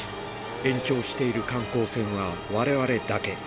延長している観光船は、われわれだけ。